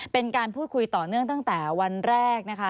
เป็นการพูดคุยต่อเนื่องตั้งแต่วันแรกนะคะ